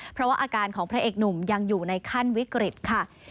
เพราะว่าอาการของพระเอกหนุ่มยังอยู่ในขั้นวิกฤตค่ะ